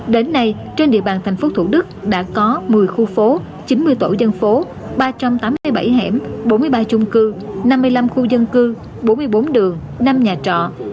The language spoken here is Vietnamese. đến nay trên địa bàn thành phố thủ đức đã có một mươi khu phố chín mươi tổ dân phố ba trăm tám mươi bảy hẻm bốn mươi ba chung cư năm mươi năm khu dân cư bốn mươi bốn đường năm nhà trọ